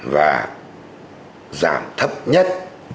và giảm thấp nhất